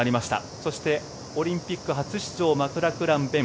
そして、オリンピック初出場マクラクラン勉。